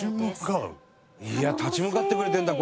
いや立ち向かってくれてるんだ